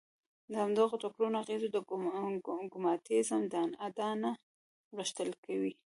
د همدغو ټکرونو اغېزې د دوګماتېزم اډانه غښتلې کوي.